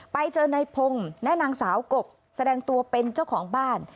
ไปเจอนายพงศ์และนางสาวกบแสดงตัวเป็นเจ้าของบ้าน